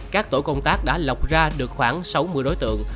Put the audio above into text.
các tổ công tác đã lọc ra được khoảng sáu mươi đối tượng